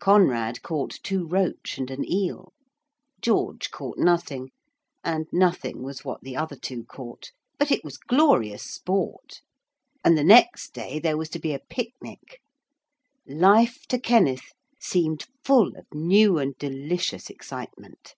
Conrad caught two roach and an eel. George caught nothing, and nothing was what the other two caught. But it was glorious sport. And the next day there was to be a picnic. Life to Kenneth seemed full of new and delicious excitement.